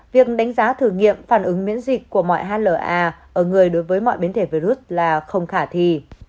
việc đánh giá thử nghiệm phản ứng miễn dịch của mọi hla ở người đối với mọi biến thể virus là không khả thi